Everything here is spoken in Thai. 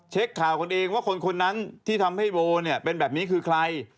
เช็คข่าวกันเองว่าคนนั้นที่ทำให้โบเนี่ยเป็นแบบนี้คือใคร